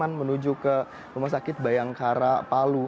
yang menuju ke rumah sakit bayangkara palu